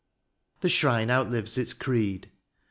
The shrine outlives its creed.